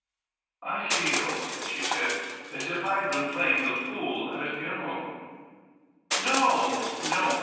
" I feel," she said, "as if I had been play ing the fool at a funeral." " No, no.